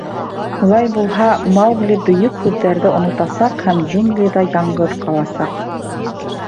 Улай булһа, Маугли Бөйөк һүҙҙәрҙе онотасаҡ һәм джунглиҙа яңғыҙ ҡаласаҡ.